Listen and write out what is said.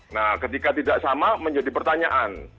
nah ketika tidak sama menjadi pertanyaan